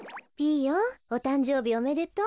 おたんじょうびおめでとう。